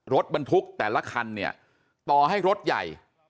รถบรรทุกแต่ละคันเนี่ยต่อให้รถใหญ่